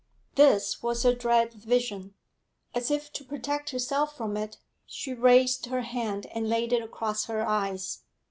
This was her dread vision. As if to protect herself from it, she raised her hand and laid it across her eyes.